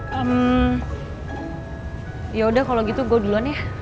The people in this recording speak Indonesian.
hmm ya udah kalau gitu gue duluan ya